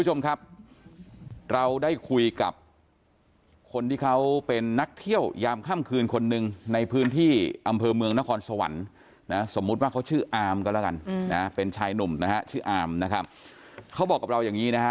ช่ายนุ่มนะฮะชื่ออาร์มนะครับเขาบอกกับเราอย่างงี้นะฮะ